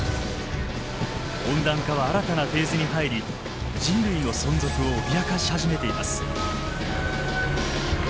温暖化は新たなフェーズに入り人類の存続を脅かし始めています。